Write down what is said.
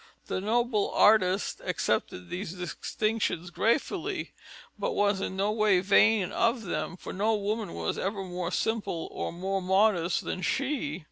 The noble artist accepted these distinctions gratefully, but was in no way vain of them, for no woman was ever more simple or more modest than she.